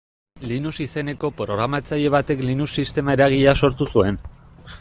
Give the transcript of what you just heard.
Linus izeneko programatzaile batek Linux sistema eragilea sortu zuen.